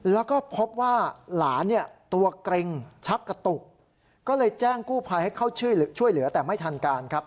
แล้วก็พบว่าหลานเนี่ยตัวเกร็งชักกระตุกก็เลยแจ้งกู้ภัยให้เข้าช่วยเหลือแต่ไม่ทันการครับ